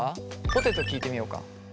ぽてと聞いてみようか。